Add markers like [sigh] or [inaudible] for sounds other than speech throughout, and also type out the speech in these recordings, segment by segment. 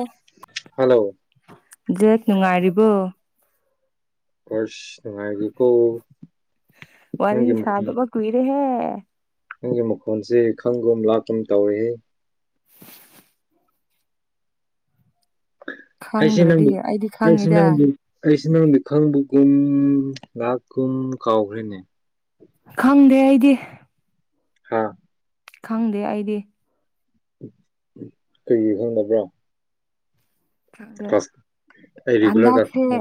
ꯑꯣ ꯍꯜꯂꯣ ꯖꯦꯠ ꯅꯨꯡꯉꯥꯏꯔꯤꯕꯣ ꯈꯁ ꯋꯥꯔꯤ ꯅꯪꯒꯤ ꯃꯈꯣꯟ ꯁꯥꯗꯕ ꯀꯨꯏꯔꯦꯍꯦ ꯅꯪꯒꯤ ꯃꯈꯣꯟꯁꯤ ꯈꯪꯒꯨꯝ ꯂꯥꯛꯞꯀꯨꯝ ꯇꯧꯔꯦ ꯑꯩꯁꯤ ꯈꯪꯗ꯭ꯔꯗꯤ ꯅꯪꯗꯤ ꯑꯩꯗꯤ ꯑꯩꯁꯤ ꯈꯪꯉꯤꯗ ꯅꯪꯗꯤ ꯑꯩꯁ ꯅꯪ ꯃꯤ ꯈꯪꯕꯒꯨꯝ ꯂꯥꯛꯀꯨꯝ ꯀꯥꯎꯈ꯭ꯔꯦꯅꯦ ꯈꯪꯗꯦ ꯑꯩꯗꯤ ꯍꯥ ꯈꯪꯗꯦ ꯑꯩꯗꯤ ꯀꯩꯒꯤ ꯈꯪꯕ꯭ꯔꯣ ꯑꯝ ꯑꯩ ꯔꯤꯒꯨꯂꯔ ꯍꯟꯗꯛꯁꯦ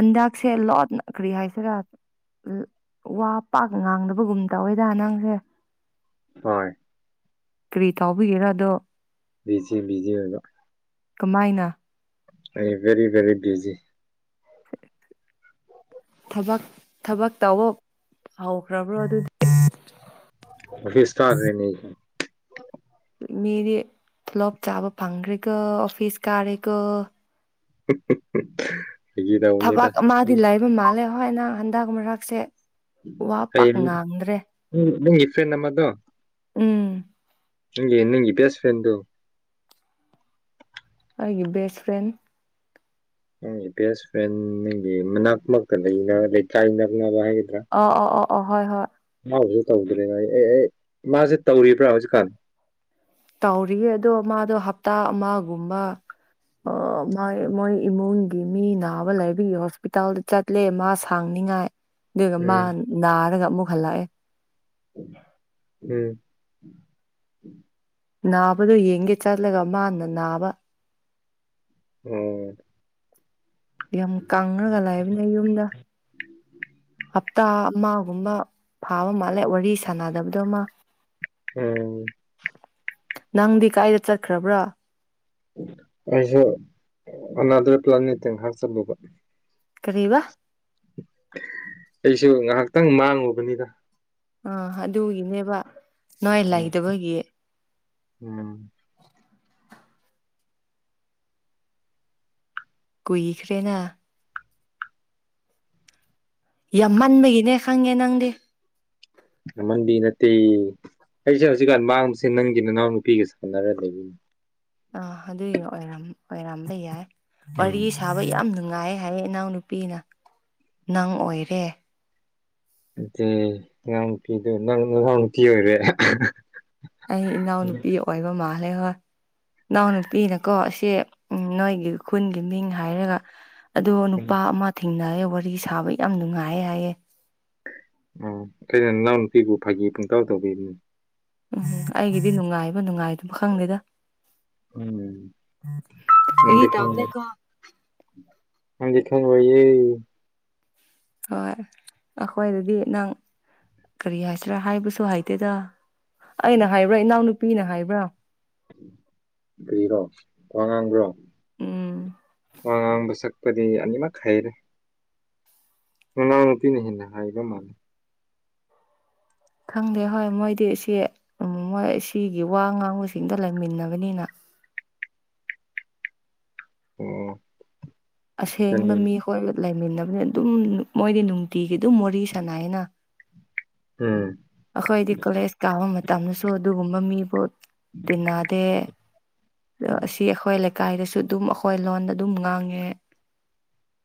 ꯍꯟꯗꯛꯁꯦ ꯂꯣꯠꯅ ꯀꯔꯤ ꯍꯥꯏꯁꯤꯔ ꯋꯥ ꯄꯥꯛ ꯉꯥꯡꯗꯕꯒꯨꯝ ꯇꯧꯋꯦꯗ ꯅꯪꯁꯦ ꯍꯣꯏ ꯀꯔꯤ ꯇꯥꯎꯕꯤꯒꯦꯔꯣ ꯑꯗꯣ ꯕꯤꯗꯤ ꯕꯤꯗꯤ ꯑꯣꯏꯕ ꯀꯃꯥꯏꯅ ꯑꯩ ꯕꯦꯔꯤ ꯕꯦꯔꯤ ꯕꯤꯖꯤ ꯊꯕꯛ ꯊꯕꯛ ꯇꯧꯕ ꯍꯧꯈ꯭ꯔꯕ꯭ꯔꯣ ꯑꯗꯨ ꯑꯣꯐꯤꯁ ꯇꯈꯔꯦꯅꯦ ꯃꯦꯗꯤ ꯇꯣꯂꯣꯞ ꯆꯥꯕ ꯐꯪꯈ꯭ꯔꯦꯀꯣ ꯑꯣꯐꯤꯁ ꯀꯥꯔꯦꯀꯣ [unintelligible] ꯇꯧꯕꯅꯤꯗ ꯊꯕꯛ ꯑꯃꯗꯤ ꯂꯩꯕ ꯃꯥꯜꯂꯦ ꯍꯣꯏ ꯅꯪ ꯍꯟꯗꯛ ꯃꯔꯛꯁꯦ ꯋꯥ ꯄꯥꯛ ꯉꯥꯡꯗ꯭ꯔꯦ ꯎꯝ ꯅꯪꯒꯤ ꯅꯃꯗꯣ ꯎꯝ ꯅꯪꯒꯤ ꯕꯦꯁ ꯁ꯭ꯔꯦꯟ ꯗꯨ ꯑꯩꯒꯤ ꯕꯦꯁ ꯐ꯭ꯔꯦꯟ ꯅꯪꯒꯤ ꯕꯦꯁ ꯐ꯭ꯔꯦꯟ ꯅꯪꯒꯤ ꯃꯅꯥꯛꯃꯛꯇ ꯂꯩꯀꯥꯢ ꯅꯛꯅꯕ ꯍꯥꯏꯒꯗ꯭ꯔꯥ ꯑꯣ ꯑꯣ ꯑꯣ ꯑꯣ ꯍꯣꯏ ꯍꯣꯏ ꯃꯥꯕꯨꯁꯨ ꯇꯧꯗ꯭ꯔꯔꯤꯅ ꯑꯩ ꯑꯦ ꯃꯥꯖꯤ ꯇꯧꯔꯤꯕ꯭ꯔꯥ ꯍꯧꯖꯤꯛꯀꯥꯟ ꯇꯧꯔꯤꯌꯦ ꯑꯗꯣ ꯃꯥꯗꯣ ꯍꯞꯇꯥ ꯑꯃꯒꯨꯝꯕ ꯑ ꯃꯥꯢ ꯃꯣꯏ ꯏꯃꯨꯡꯒꯤ ꯃꯤ ꯅꯥꯕ ꯂꯩꯕꯤꯒꯤ ꯍꯣꯁꯄꯤꯇꯥꯜꯗ ꯆꯠ ꯂꯦ ꯃꯥ ꯁꯥꯡꯅꯤꯉꯥꯏ ꯑꯗꯨꯒ ꯃꯥ ꯎꯝ ꯅꯥꯔꯒ ꯑꯃꯨꯛ ꯍꯜꯂꯛꯑꯦ ꯎꯝ ꯅꯥꯕꯗꯣ ꯌꯦꯡꯒꯦ ꯆꯠꯂꯒ ꯃꯥꯅ ꯅꯥꯕ ꯎꯝ ꯌꯥꯝ ꯀꯥꯡꯉꯒ ꯂꯩꯕꯅꯦ ꯌꯨꯝꯗ ꯍꯞꯇꯥ ꯑꯃꯒꯨꯝꯕ ꯐꯥꯕ ꯃꯥꯜꯂꯦ ꯋꯥꯔꯤ ꯁꯥꯟꯅꯗꯕꯗꯣ ꯃꯥ ꯎꯝ ꯅꯪꯗꯤ ꯀꯥꯏꯗ ꯆꯠꯈ꯭ꯔꯕ꯭ꯔꯥ ꯑꯩꯁꯨ ꯑꯅꯥꯗ꯭ꯔ ꯄ꯭ꯂꯥꯟꯅꯦꯠꯇ ꯉꯥꯏꯍꯥꯛ ꯆꯠꯂꯨꯕ ꯀꯔꯤꯕ ꯑꯩꯁꯨ ꯉꯥꯏꯍꯥꯛꯇꯪ ꯃꯥꯡꯉꯨꯕꯅꯤꯗ ꯑ ꯑꯗꯨꯒꯤꯅꯦꯕ ꯅꯣꯏ ꯎꯝ ꯂꯩꯇꯕꯒꯤ ꯎꯝ ꯀꯨꯏꯈ꯭ꯔꯦꯅ ꯌꯥꯝꯃꯟꯕꯒꯤꯅꯦ ꯈꯪꯉꯦ ꯅꯪꯗꯤ ꯃꯃꯟꯗꯤ ꯅꯠꯇꯦ ꯑꯩꯁꯦ ꯍꯧꯖꯤꯛꯀꯥꯟ ꯃꯥꯡꯕꯁꯦ ꯅꯪꯒꯤ ꯅꯅꯥꯎ ꯅꯨꯄꯤꯒ ꯁꯥꯟꯅꯔ ꯂꯩꯕꯅꯦ ꯑ ꯑꯗꯨꯏ ꯑꯣꯏꯔꯝ ꯑꯣꯏꯔꯝꯕ ꯌꯥꯏ ꯎꯝ ꯋꯥꯔꯤ ꯁꯥꯕ ꯌꯥꯝ ꯅꯨꯡꯉꯥꯏ ꯍꯥꯏꯌꯦ ꯅꯅꯥꯎ ꯅꯨꯄꯤꯅ ꯅꯪ ꯑꯣꯏꯔꯦ ꯑꯉꯥꯡ ꯅꯨꯄꯤꯗꯣ ꯅꯪ ꯅꯅꯥꯎ ꯅꯨꯄꯤ ꯑꯣꯏꯔꯦ ꯑꯩ ꯎꯝ ꯏꯅꯥꯎꯅꯨꯄꯤ ꯑꯣꯏꯕ ꯃꯥꯜꯂꯦ ꯍꯣꯏ ꯏꯅꯥꯎꯅꯨꯄꯤꯅꯀꯣ ꯁꯤ ꯅꯣꯏꯒꯤ ꯈꯨꯟꯒꯤ ꯃꯤꯡ ꯍꯥꯏꯔꯒ ꯑꯗꯣ ꯅꯨꯄꯥ ꯑꯃ ꯊꯦꯡꯅꯑꯦ ꯋꯥꯔꯤ ꯁꯥꯕ ꯌꯥꯝ ꯅꯨꯡꯉꯥꯏ ꯍꯥꯏꯌꯦ ꯎ ꯀꯩꯅ ꯏꯅꯥꯎ ꯅꯨꯄꯤꯕꯨ ꯐꯥꯒꯤ ꯄꯨꯡꯇꯧ ꯇꯧꯕꯤꯕꯅꯤ ꯎꯝ ꯑꯩꯒꯤꯗꯤ ꯅꯨꯡꯉꯥꯏꯕ ꯅꯨꯡꯉꯥꯏꯗꯨꯃ ꯈꯪꯗꯦꯗ ꯎꯝ ꯐꯥꯒꯤ [inaudible] ꯇꯧꯕꯅꯦꯀꯣ ꯅꯪꯗꯤ ꯈꯡꯉꯔꯣꯏꯌꯦ ꯍꯣꯏ ꯑꯩꯈꯣꯏꯗꯗꯤ ꯅꯪ ꯀꯔꯤ ꯍꯥꯏꯁꯤꯔꯥ ꯍꯥꯏꯕꯁꯨ ꯍꯩꯇꯦꯗ ꯑꯩꯅ ꯍꯥꯏꯕ꯭ꯔꯥ ꯏꯅꯥꯎꯅꯨꯄꯤꯅ ꯍꯥꯏꯕ꯭ꯔꯥ ꯀꯔꯤꯔꯣ ꯋꯥꯉꯥꯡꯕ꯭ꯔꯣ ꯎꯝ ꯋꯥꯉꯥꯡꯕ ꯁꯛꯄꯗꯤ ꯑꯅꯤꯃꯛ ꯍꯩꯔꯦ ꯅꯅꯥꯎ ꯅꯨꯄꯤꯅ ꯍꯦꯟꯅ ꯍꯩꯕ ꯃꯥꯜꯂꯦ ꯈꯪꯗꯦ ꯍꯣꯏ ꯃꯣꯏꯗꯤ ꯁꯤ ꯃꯣꯏ ꯁꯤꯒꯤ ꯋꯥ ꯉꯥꯡꯕꯁꯤꯡꯗ ꯂꯩꯃꯤꯟꯅꯕꯅꯤꯅ ꯑꯣ ꯑꯁꯦꯡꯕ ꯀꯔꯤ ꯃꯤꯈꯣꯏ ꯂꯩꯃꯤꯟꯅꯕꯅꯤ ꯑꯗꯨꯝ ꯃꯣꯏꯗꯤ ꯅꯨꯡꯇꯤꯒꯤ ꯑꯗꯨꯝ ꯋꯤꯔꯤ ꯁꯥꯟꯅꯩꯅ ꯎꯝ ꯑꯩꯈꯣꯏꯗꯤ ꯀꯣꯂꯦꯖ ꯀꯥꯕ ꯃꯇꯝꯗꯁꯨ ꯑꯗꯨꯒꯨꯝꯕ ꯃꯤꯕꯨ ꯇꯤꯟꯅꯗꯦ ꯑꯗꯣ ꯑꯁꯤ ꯑꯩꯈꯣꯏ ꯂꯩꯀꯥꯏꯗꯁꯨ ꯑꯗꯨꯝ ꯑꯩꯈꯣꯏ ꯂꯣꯟꯗ ꯑꯗꯨꯝ ꯉꯥꯡꯉꯦ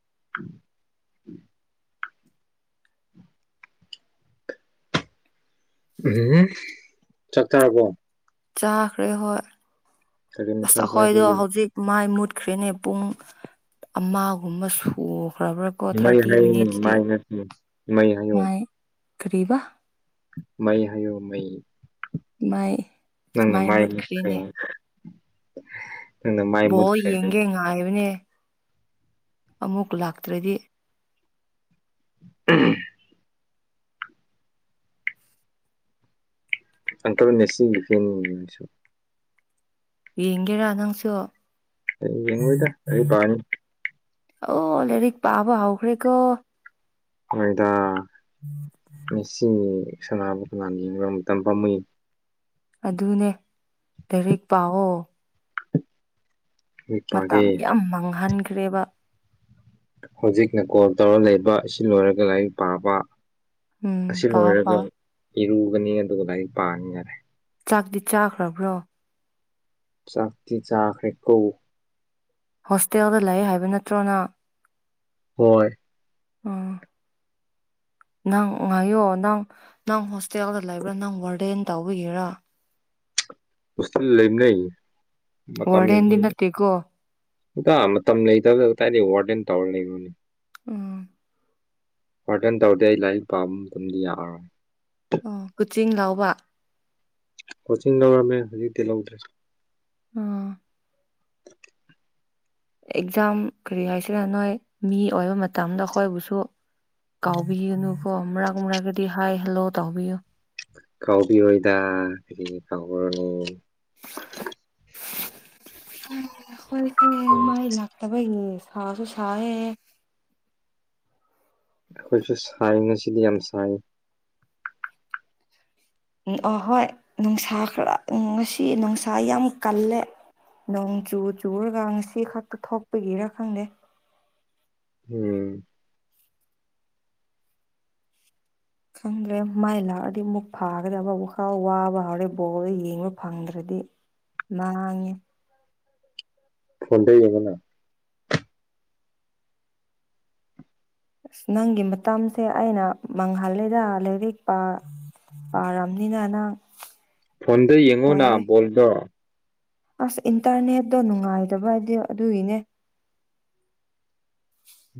[unintelligible] ꯎꯝ ꯆꯥꯛ ꯆꯥꯔꯕꯣ ꯆꯥꯈ꯭ꯔꯦ ꯍꯣꯏ ꯀꯔꯤ ꯃꯊꯦꯜ ꯆꯥꯒꯦ ꯑꯈꯣꯏꯗꯣ ꯍꯧꯖꯤꯛ ꯃꯥꯏ ꯃꯨꯠꯈ꯭ꯔꯦꯅꯦ ꯄꯨꯡ ꯑꯃꯒꯨꯝꯕ ꯁꯨꯈ꯭ꯔꯕ꯭ꯔꯥ ꯀꯣ ꯃꯩ ꯊꯥꯔꯇꯤ ꯍꯥꯏꯌꯨꯅꯦ ꯃꯤꯅꯤꯠꯁꯇꯦ ꯃꯥꯏ ꯅꯠꯇꯦ ꯃꯩ ꯀꯔꯤꯕ ꯃꯩ ꯍꯥꯏꯌꯣ ꯃꯩ ꯃꯩ ꯅꯪꯅ ꯃꯥꯏꯈ ꯕꯣ ꯌꯦꯡꯒꯦ ꯉꯥꯏꯕꯅꯦ ꯑꯃꯨꯛ ꯂꯥꯛꯇ꯭ꯔꯗꯤ ꯑꯥ ꯑꯇ ꯅꯁꯤ ꯌꯦꯡꯒꯦꯔꯥ ꯅꯪꯁꯨ ꯑꯩ ꯌꯦꯡ ꯑꯣꯏꯣꯏꯗ ꯑꯗꯨꯗꯤ ꯄꯅꯤ ꯑꯣ ꯑ ꯂꯔꯤꯛ ꯄꯥꯕ ꯍꯥꯥꯎꯈ꯭ꯔꯦꯀꯣ ꯃꯣꯏꯗ ꯉꯆ ꯁꯅꯥꯅꯕ ꯀꯅꯥ ꯌꯦꯕ ꯃꯇꯝ ꯄꯥꯝꯃꯏ ꯑꯗꯨꯅꯦ ꯂꯥꯏꯔꯤꯛ ꯄꯥꯛꯑꯣ ꯂꯥꯏꯔꯤꯛ ꯄꯥꯒꯦ ꯃꯇꯝ ꯌꯥꯝ ꯃꯥꯡꯍꯟꯈ꯭ꯔꯦꯕi ꯍꯧꯖꯤꯛꯅ ꯀꯣꯜ ꯇꯧꯔ ꯂꯩꯕ ꯑꯁꯤ ꯂꯣꯏꯔꯒ ꯂꯥꯏꯔꯤꯛ ꯄꯥꯕ ꯎꯝ ꯑꯁꯤ ꯄꯥꯎ ꯂꯣꯏꯔꯒ ꯄꯥꯎ ꯏꯔꯨꯒꯅꯤ ꯑꯗꯨꯒ ꯂꯥꯏꯔꯤꯛ ꯄꯥꯅꯤ ꯌꯥꯔꯦ ꯆꯥꯛꯇꯤ ꯆꯥꯈ꯭ꯔꯕ꯭ꯔꯣ ꯆꯥꯇꯤ ꯆꯈ꯭ꯔꯦ ꯀꯧꯕ ꯍꯣꯁꯇꯦꯜꯗ ꯂꯩ ꯍꯥꯏꯕ ꯅꯠꯇ꯭ꯔꯣꯅ ꯍꯣꯏ ꯑꯥ ꯅꯪ ꯉꯥꯏꯌꯣ ꯅꯪ ꯅꯪ ꯍꯣꯁꯇꯦꯜꯗ ꯂꯩꯕ꯭ꯔꯥ ꯅꯪ ꯕꯔꯗꯦꯟ ꯇꯧꯕꯤꯒꯦꯔꯥ ꯍꯣꯁꯇꯦꯜ ꯂꯩꯃꯤꯅꯩ ꯃꯇꯝ ꯂꯩ ꯋꯥꯔꯗꯦꯟꯗꯤ ꯅꯠꯇꯦꯀꯣ ꯃꯇꯝ ꯂꯩꯇꯕꯗꯗꯥꯥꯏꯗꯤ ꯋꯥꯔꯗꯦꯟ ꯇꯧꯔ ꯂꯩꯕꯣꯅꯦ ꯎꯝ ꯋꯥꯔꯗꯟ ꯇꯧꯗꯦ ꯑꯩ ꯂꯥꯏꯔꯤꯛ ꯄꯥꯕ ꯑꯗꯨꯝꯗꯤ ꯌꯥꯛꯑꯔꯣꯏ ꯑꯣ ꯀꯨꯆꯤꯡ ꯂꯥꯎꯕ ꯀꯣꯆꯤꯡ ꯂꯧꯔꯃꯦ ꯍꯧꯖꯤꯛꯇꯤ ꯂꯧꯗ꯭ꯔꯦ ꯎꯝ ꯑꯦꯛꯖꯥꯝ ꯀꯔꯤ ꯍꯥꯏꯁꯤꯅ ꯅꯣꯏ ꯃꯤ ꯑꯣꯏꯕ ꯃꯇꯝꯗ ꯑꯩꯈꯣꯏꯕꯨꯁꯨ ꯀꯥꯎꯕꯤꯌꯨꯅꯨꯀꯣ ꯑꯃꯨꯔꯛ ꯃꯨꯔꯛꯒꯗꯤ ꯍꯥꯏ ꯍꯜꯂꯣ ꯇꯥꯎꯕꯤꯌꯨ ꯀꯥꯎꯕꯤ ꯍꯣꯏꯗ ꯑꯗꯒꯤ ꯀꯥꯎꯔꯅꯤ ꯍꯣꯏꯦ ꯃꯥꯏ ꯂꯥꯛ ꯇꯕ ꯁꯥꯁꯨ ꯁꯥꯦꯌꯦ ꯑꯩꯈꯣꯏꯁꯨ ꯁꯥꯏꯅꯁꯤꯗꯤ ꯌꯥꯝ ꯁꯥꯏ ꯑꯍꯣꯏ ꯅꯨꯡꯁꯥ ꯈꯔ ꯉꯁꯤ ꯅꯨꯡꯁꯥ ꯌꯥꯝ ꯀꯜꯂꯦ ꯅꯣꯡ ꯆꯨ ꯆꯨꯔꯒ ꯉꯁꯤ ꯈꯛꯇ ꯊꯣꯛꯄꯒꯤꯔ ꯈꯪꯗꯦ ꯎꯝ ꯈꯪꯗ꯭ꯔꯦ ꯃꯥꯏ ꯂꯥꯛꯑꯗꯤ ꯑꯃꯨꯛ ꯐꯥꯒꯗꯗꯤ ꯑꯕꯕ ꯈꯥꯎ ꯋꯥꯕ ꯍꯧꯥꯎꯔꯦ ꯕꯣꯜꯗ ꯌꯦꯡꯕ ꯐꯪꯗ꯭ꯔꯗꯤ ꯃꯥꯥꯡ ꯐꯣꯟ ꯇ ꯌꯦꯡꯉꯅ ꯑꯁ ꯅꯪꯒꯤ ꯃꯇꯝꯁꯦ ꯑꯩꯅ ꯃꯥꯡꯍꯜꯜꯂꯤꯗ ꯂꯔꯛꯄ ꯑꯔꯝꯅꯤꯅꯅ ꯐꯣꯟꯗ ꯌꯦꯡꯉꯨꯅ ꯕꯣꯜꯗꯣ ꯑꯁ ꯏꯟꯇꯔꯅꯦꯠꯇꯣ ꯅꯨꯡꯉꯥꯏꯗꯕ ꯍꯥꯏꯗꯤ ꯑꯗꯨꯒꯤꯅꯦ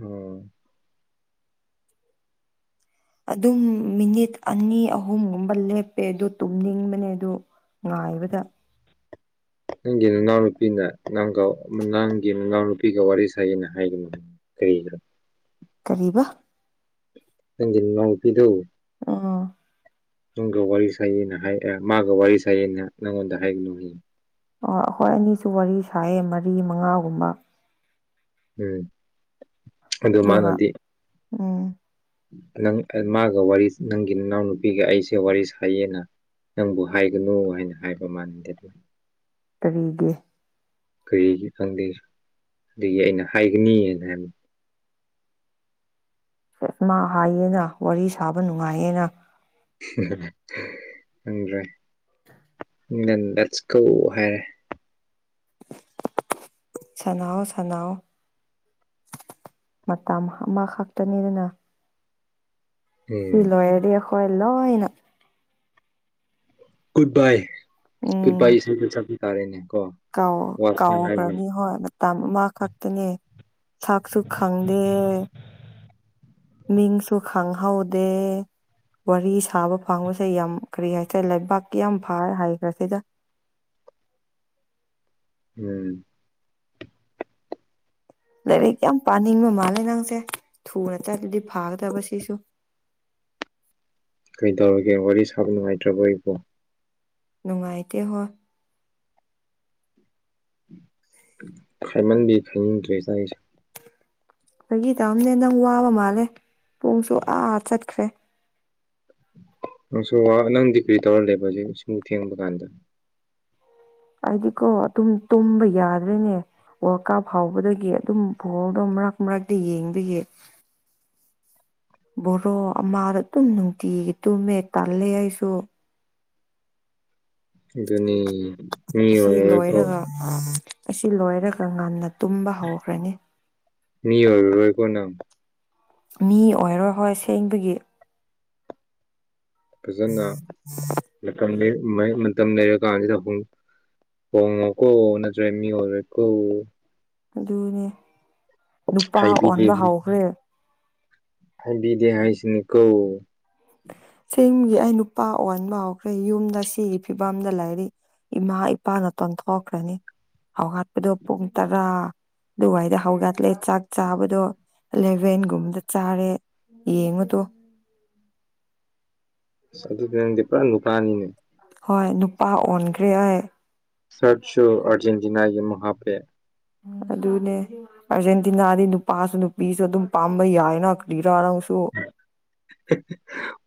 ꯎꯝ ꯑꯗꯨꯝ ꯃꯤꯅꯤꯠ ꯑꯅꯤ ꯑꯍꯨꯝꯒꯨꯝꯕ ꯂꯦꯞꯄꯦ ꯑꯗꯨ ꯇꯨꯝꯅꯤꯡꯕꯅꯦ ꯑꯗꯨ ꯉꯥꯏꯕꯗ ꯅꯪꯒꯤ ꯅꯅꯥꯎꯅꯨꯄꯤꯅ ꯅꯪꯒ ꯅꯪꯒꯤ ꯅꯅꯥꯎꯅꯨꯄꯤꯒ ꯋꯥꯔꯤ ꯁꯌꯦꯅ ꯍꯥꯏꯒꯅꯨ ꯀꯔꯤꯔ ꯀꯔꯤꯕ ꯁꯪꯒꯤꯤꯟꯅꯨꯡꯄꯤꯗꯨꯧ ꯑ ꯅꯨꯝꯒ ꯋꯥꯔꯤꯔꯤ ꯁꯥꯏꯅꯍ ꯃ ꯃꯥꯒꯧ ꯋꯥꯔꯤꯔꯤ ꯁꯌꯦꯅ ꯅꯪꯣꯟꯗ ꯍ ꯍꯥꯏ ꯅꯨꯡ ꯑꯣ ꯑꯈꯣꯏ ꯑꯅꯤꯁꯨ ꯋꯥꯔꯤ ꯁꯥꯏꯌꯦ ꯃꯔꯤ ꯃꯉꯥꯒꯨꯝꯕ ꯎꯝ ꯑꯗꯨ ꯗꯨꯒ ꯃꯥꯅꯗꯤ ꯎꯝ ꯅꯪ ꯃꯥꯒ ꯋꯥꯔꯤ ꯅꯪꯒꯤ ꯏꯅꯥꯎꯅꯨꯄꯤꯒ ꯑꯩꯁꯦ ꯋꯥꯔꯤ ꯁꯥꯏꯌꯦꯅ ꯅꯪꯕꯨ ꯍꯥꯏꯒꯅꯨ ꯍꯥꯏꯅ ꯍꯥꯏꯕ ꯃꯥꯅꯗꯤ ꯀꯔꯤꯒꯤ ꯀꯔꯤꯒꯤ ꯈꯪꯗꯦ ꯑꯩꯁꯨ ꯑꯗꯒꯤ ꯑꯩꯅ ꯍꯥꯏꯒꯅꯤꯅ ꯍꯥꯏꯕ ꯃꯥ ꯍꯥꯏꯌꯦꯅ ꯋꯥꯔꯤ ꯁꯥꯕ ꯅꯨꯡꯉꯥꯏꯌꯦꯅ ꯍꯥ ꯍꯥ ꯈꯪꯗꯔꯦ ꯎ ꯅ ꯗꯦꯠꯁ ꯀꯣ ꯍꯥꯏꯔꯦ ꯁꯅꯥꯎ ꯁꯅꯥꯎ ꯃꯇꯝ ꯑꯃꯈꯛꯇꯅꯤꯗꯅ ꯎꯝ ꯁꯤꯂꯣꯏꯔꯗꯤ ꯑꯈꯣꯏ ꯂꯣꯏꯅ ꯒꯨꯠ ꯕꯥꯏ ꯒꯨꯠ ꯎꯝ ꯕꯥꯏ ꯏꯁꯩꯗ ꯆꯠꯄꯤ ꯇꯥꯔꯦꯅꯦ ꯀꯣ ꯀꯥꯎ ꯀꯥꯎ ꯋꯥꯁꯅ ꯍꯥꯏꯕ ꯈꯔꯥꯅꯤ ꯍꯣꯏ ꯃꯠ ꯇꯝ ꯑꯃ ꯈꯛꯇꯅꯦ ꯁꯛꯁꯨ ꯈꯪꯗꯦ ꯃꯤꯡꯁꯨ ꯈꯪꯍꯧꯗꯦ ꯋꯥꯔꯤ ꯁꯥꯕ ꯐꯪꯕꯁꯦ ꯌꯥꯝ ꯀꯔꯤ ꯍꯥꯏꯇꯥꯔꯦ ꯂꯩꯕꯥꯛ ꯌꯥꯝ ꯐꯔꯦ ꯍꯥꯏꯈ꯭ꯔꯁꯤꯗ ꯎꯝ ꯂꯥꯏꯔꯤꯛ ꯌꯥꯝ ꯄꯥꯅꯤꯡꯕ ꯃꯥꯜꯂꯦ ꯅꯪꯁꯦ ꯊꯨꯅ ꯆꯠꯂꯗꯤ ꯐꯥꯒꯗꯕ ꯁꯤꯁꯨ ꯀꯩꯗꯧꯔꯒꯦ ꯋꯥꯔꯤ ꯁꯥꯕ ꯅꯨꯡꯉꯥꯏꯇ꯭ꯔꯕ ꯑꯩꯕꯨ ꯅꯨꯡꯉꯥꯏꯇꯦ ꯍꯣꯏ ꯈꯥꯏꯃꯟꯕꯤ ꯈꯪꯗꯔ꯭ꯦꯗꯥ ꯑꯩꯁꯨ ꯑꯩꯒꯤ ꯇꯥꯝꯅꯦ ꯅꯪ ꯋꯥꯕ ꯃꯥꯜꯂꯦ ꯄꯨꯡꯁꯨ ꯑꯥ ꯆꯠꯈ꯭ꯔꯦ ꯅꯪꯁꯨ ꯋꯥꯕ ꯅꯪꯗꯤ ꯀ꯭ꯔꯤ ꯇꯧꯔꯂꯦꯕ ꯍꯧꯖꯤꯛ ꯁꯨꯝ ꯊꯦꯡꯕ ꯀꯥꯟꯗ ꯍꯥꯏꯗꯤꯀꯣ ꯑꯗꯨꯝ ꯇꯨꯝꯕ ꯌꯥꯗ꯭ꯔꯦꯅꯦ ꯋꯥꯔꯜ ꯀꯥꯞ ꯍꯧꯕꯗꯒꯤ ꯑꯗꯨꯝ ꯐꯣꯜꯗꯣ ꯃꯔꯛ ꯃꯔꯛꯇꯤ ꯌꯦꯡꯕꯤꯒꯤ ꯕꯣꯔꯣ ꯑꯃꯗ ꯑꯗꯨꯝ ꯅꯨꯡꯇꯤꯒꯤ ꯇꯨꯝꯃꯦ ꯇꯜꯂꯦ ꯑꯩꯁꯨ ꯑꯗꯨꯅꯤ ꯃꯤ ꯑꯣꯏꯔꯣꯏꯀꯣ ꯑꯥ ꯑꯁꯤ ꯂꯣꯏꯔꯒ ꯉꯟꯅ ꯇꯨꯝꯕ ꯍꯧꯈ꯭ꯔꯅꯤ ꯃꯤ ꯑꯣꯏꯔꯔꯣꯏꯀꯣ ꯅꯪ ꯃꯤ ꯑꯣꯏꯔꯔꯣꯏ ꯍꯣꯏ ꯁꯦꯡꯕꯒꯤ ꯐꯖꯅ ꯃꯥꯇꯝ ꯂꯦꯟ ꯃꯩ ꯃꯠ ꯇꯝ ꯂꯩꯔꯀꯥꯟꯁꯤꯗ ꯍꯣꯡ ꯍꯣꯡꯉꯣꯀꯣ ꯅꯠꯇ꯭ꯔ ꯃꯤ ꯑꯣꯏꯔꯦꯏꯀꯣ ꯑꯗꯨꯅꯦ ꯅꯨꯄꯥ ꯍꯥꯏꯕꯤꯗꯦ ꯑꯣꯟꯕ ꯍꯧꯈ꯭ꯔꯦ ꯍꯥꯏꯕꯤꯗꯦ ꯍꯥꯏꯁꯤꯅꯤ ꯀꯣ ꯆꯤꯟꯒꯤ ꯑꯩ ꯅꯨꯄꯥ ꯑꯣꯟꯕ ꯍꯧꯈ꯭ꯔꯦ ꯌꯨꯝꯗ ꯁꯤꯒꯤ ꯐꯤꯕꯝꯗ ꯂꯩꯔꯤ ꯏꯃꯥ ꯏꯄꯥꯅꯥ ꯇꯟꯊꯣꯛꯈ꯭ꯔꯅꯤ ꯍꯧꯍꯠꯄꯗꯣ ꯄꯨꯡ ꯇꯔꯥ ꯑꯗꯨꯋꯥꯏꯗ ꯍꯧꯒꯠꯂꯦ ꯆꯥꯛ ꯆꯥꯕꯗꯣ ꯑꯦꯂꯦꯚꯦꯟꯒꯨꯝꯕꯗ ꯆꯥꯔꯦ ꯌꯦꯡꯉꯨꯇꯨ ꯑꯁ ꯑꯗꯨꯗꯤ ꯅꯪꯗꯤ ꯄꯨꯔ ꯅꯨꯄꯥꯅꯤꯅꯦ ꯍꯣꯏ ꯅꯨꯄꯥ ꯑꯣꯟꯈ꯭ꯔꯦ ꯑꯩ ꯁꯔꯠꯁꯨ ꯑꯔꯖꯦꯟꯇꯤꯅꯥꯒꯤ ꯑꯃ ꯍꯥꯞꯄꯦ ꯑꯗꯨꯅꯦ ꯑꯥꯔꯖꯦꯟꯇꯤꯅꯥꯗꯤ ꯅꯨꯄꯥꯁꯨ ꯅꯨꯄꯤꯁꯨ ꯑꯗꯨꯝ ꯄꯥꯝꯕ ꯌꯥꯏꯅ ꯀ꯭ꯔꯤꯔ ꯅꯪꯁꯨ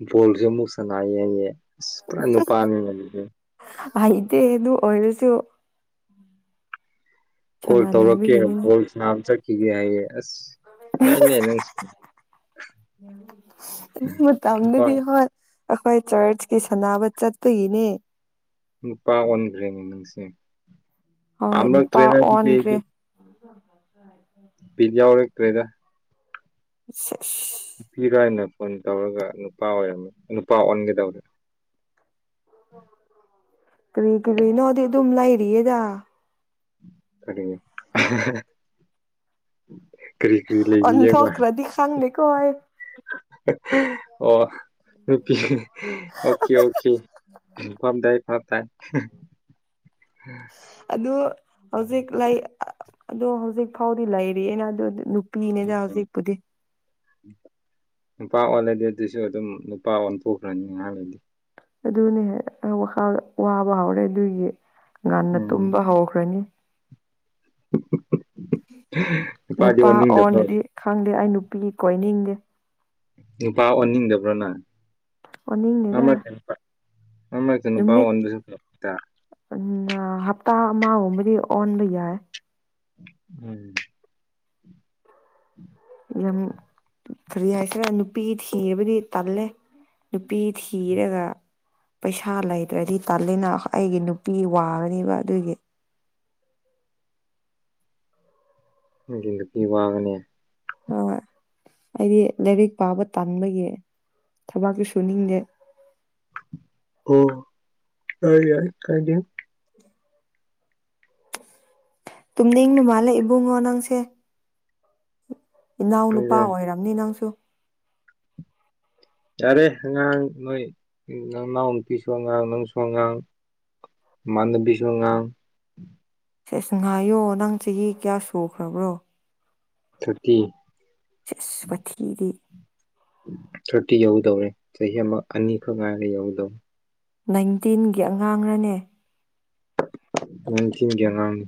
ꯕꯣꯜꯁꯦ ꯑꯃꯨꯛ ꯁꯅꯥꯌꯦꯌꯦ ꯑꯁ ꯄꯨꯔꯥ ꯅꯨꯄꯥꯅꯤ ꯂꯩꯔꯤꯁꯦ ꯍꯩꯇꯦ ꯑꯗꯨ ꯑꯣꯔꯁꯨ ꯀꯣꯜ ꯇꯧꯔꯛꯀꯦ ꯁꯥꯟꯅꯅꯤꯡꯕꯒꯤꯅꯤꯅ ꯕꯣꯜꯁꯅꯕ ꯆꯠꯈꯤꯒꯦ ꯍꯥꯏꯌꯦ ꯑꯁ ꯌꯥꯏꯅꯦ ꯅꯪꯁꯦ ꯑꯗꯨ ꯅꯨꯄꯥ ꯃꯇꯝꯗꯨꯗꯤ ꯍꯣꯏ ꯑꯩꯈꯣꯏ ꯆꯔꯆꯀꯤ ꯁꯥꯟꯅꯕ ꯆꯠꯄꯒꯤꯅꯤ ꯅꯨꯄꯥ ꯑꯣꯟꯈ꯭ꯔꯦꯅꯦ ꯅꯪꯁꯦ ꯍꯣꯏ ꯅꯨꯄꯥ ꯄꯥꯝꯂꯛꯇ꯭ꯔꯦꯅ ꯑꯗꯨꯗꯤ ꯑꯣꯟꯈ꯭ꯔꯦ ꯑꯩꯗꯤ [inaudible] ꯕꯤꯠ ꯌꯥꯎꯔꯛ ꯇ꯭ꯔꯦꯗ [inaudible] ꯅꯨꯄꯤꯔꯥ ꯍꯥꯏꯅ ꯐꯣꯟ ꯇꯧꯔꯒ ꯅꯨꯄꯥ ꯑꯣꯏꯔꯝꯃꯤ ꯅꯨꯄꯥ ꯑꯣꯟꯒꯦꯗꯧꯔꯦ ꯀꯔꯤ ꯀꯔꯤꯅꯣꯗꯤ ꯑꯗꯨꯝ ꯂꯩꯔꯤꯌꯦꯗ ꯀꯔꯤ [unintelligible] ꯀ꯭ꯔꯤ ꯀ꯭ꯔꯤ ꯂꯩꯔꯤꯌꯦꯕ [unintelligible] [unintelligible] ꯑꯣ ꯅꯨꯄꯤ ꯑꯣꯀꯦ ꯑꯣꯀꯦ ꯐꯝꯗꯥꯏ ꯐꯝꯗꯥꯏ ꯑꯗꯨ ꯍꯧꯖꯤꯛ ꯂꯩ ꯑꯗꫭ ꯍꯧꯖꯤꯛ ꯐꯥꯎꯗꯤ ꯂꯩꯔꯤꯌꯦꯅ ꯑꯗꯨ ꯅꯨ ꯄꯤꯅꯦꯗ ꯎꯝ ꯍꯧꯖꯤꯛꯄꯨꯗꯤ ꯅꯨꯄꯥ ꯑꯣꯜꯂꯗꯤ ꯑꯗꯨꯁꯨ ꯑꯗꯨꯝ ꯅꯨꯄꯥ ꯑꯣꯟꯊꯣꯛꯈ꯭ꯔꯅꯤ ꯉꯍꯥꯛ ꯂꯩꯗꯤ ꯑꯗꯨꯅꯦ ꯋꯥꯈ ꯋꯥꯕ ꯍꯧꯔꯦ ꯑꯗꯨꯒꯤ ꯉꯟꯅ ꯎꯝ ꯇꯨꯝꯕ ꯍꯧꯈ꯭ꯔꯅꯤ [unintelligible] ꯅꯨꯄꯥꯗꯤ ꯅꯨꯄꯥ ꯑꫭꯟꯅꯤꯡꯗꯕ꯭ꯔꫭ ꯑꯣꯟꯗꯗꯤ ꯈꯪꯗꯦ ꯑꯩ ꯅꯨꯄꯤꯒꯤ ꯀꯣꯏꯅꯤꯡꯗꯦ ꯅꯨꯄꯥ ꯑꯣꯟꯅꯤꯡꯗꯕ꯭ꯔꯅ ꯑꯣꯟꯅꯤꯡꯗꯦꯗ [unintelligible] ꯅ ꯍꯞꯇꯥ ꯑꯃꯒꯨꯝꯕꯗꯤ ꯑꯣꯟꯕ ꯌꯥꯏ ꯎꯝ ꯌꯥꯝ ꯀꯔꯤ ꯍꯥꯏꯁꯤꯔ ꯅꯨꯄꯤ ꯊꯤꯕꯗꯤ ꯇꯜꯂꯦ ꯅꯨꯄꯤ ꯊꯤꯔꯒ ꯄꯩꯁꯥ ꯂꯩꯇ꯭ꯔꯗꯤ ꯇꯜꯂꯤꯅ ꯑꯩꯒꯤ ꯅꯨꯄꯤ ꯋꯥꯔꯅꯦꯕ ꯑꯗꯨꯒꯤ ꯅꯪꯒꯤ ꯅꯨꯄꯤ ꯋꯥꯒꯅꯦ ꯍꯣꯏ ꯑꯩꯗꯤ ꯂꯥꯏꯔꯤꯛ ꯄꯥꯕ ꯇꯥꯟꯕꯒꯤ ꯊꯕꯥꯛꯇꯨ ꯁꯨꯅꯤꯡꯗꯦ ꯑꯣ ꯌꯥꯏ ꯌꯥꯏ ꯀꯥꯏꯗꯦ ꯇꯨꯝꯅꯤꯡꯕ ꯃꯥꯜꯂꯦ ꯏꯕꯨꯡꯉꯣ ꯅꯪꯁꯦ ꯏꯅꯥꯎ ꯅꯨꯄꯥ ꯑꯩꯔꯣ ꯑꯣꯏꯔꯝꯅꯤ ꯅꯪꯁꯨ ꯌꯥꯔꯦ ꯑꯉꯥꯡ ꯅꯣꯏ ꯅꯪꯅꯥꯎ ꯅꯨꯄꯤꯁꯨ ꯑꯉꯥꯡ ꯅꯪꯁꯨ ꯑꯉꯥꯡ ꯃꯥꯟꯗꯕꯤꯁꯨ ꯑꯉꯥꯡ ꯁꯦꯁ ꯉꯥꯏꯌꯣ ꯅꯪ ꯆꯍꯤ ꯀꯌꯥ ꯁꯨꯈ꯭ꯔꯕ꯭ꯔꯣ ꯊꫪꯇꯤ ꯁꯦꯁ ꯈꯨꯊꯤꯗꯤ ꯊꯥꯔꯇꯤ ꯌꯧꯗꯧꯔꯦ ꯆꯍꯤ ꯑꯃ ꯑꯅꯤꯈꯛ ꯉꯥꯏꯔꯒ ꯌꯧꯗꯧꯔꯦ ꯅꯥꯏꯟꯇꯤꯟꯒꯤ ꯑꯉꯥꯡꯔꯅꯦ ꯅꯥꯏꯟꯇꯤꯒꯤ ꯑꯉꯥꯡꯅꯤ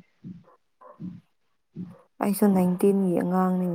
ꯑꯩꯁꯨ ꯅꯥꯏꯟꯇꯤꯟꯒꯤ ꯑꯉꯥꯡꯅꯤ